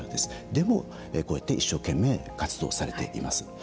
でも、こうやって一生懸命活動されています。